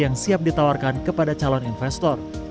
yang siap ditawarkan kepada calon investor